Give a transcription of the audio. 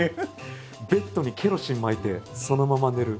ベッドにケロシンまいてそのまま寝る。